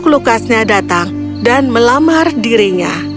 lukasnya datang dan melamar dirinya